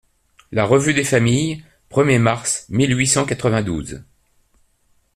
LA REVUE DES FAMILLES, premier mars mille huit cent quatre-vingt-douze.